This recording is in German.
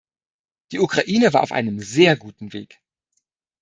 Die Ukraine war auf einem sehr guten Weg.